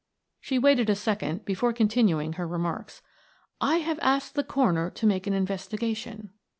She waited a second before continuing her remarks. "I have asked the coroner to make an investigation."